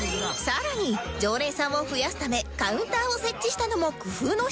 さらに常連さんを増やすためカウンターを設置したのも工夫の１つなんですが